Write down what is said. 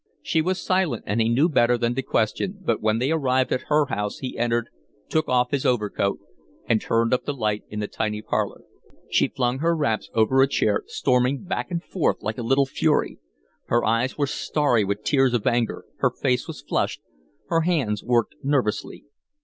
She was silent, and he knew better than to question, but when they arrived at her house he entered, took off his overcoat, and turned up the light in the tiny parlor. She flung her wraps over a chair, storming back and forth like a little fury. Her eyes were starry with tears of anger, her face was flushed, her hands worked nervously.